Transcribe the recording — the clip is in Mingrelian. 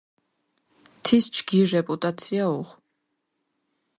თის ჯგირ რეპუტაცია უღუ.